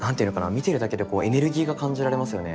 見てるだけでこうエネルギーが感じられますよね。